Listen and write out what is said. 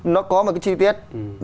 nó có một cái chi tiết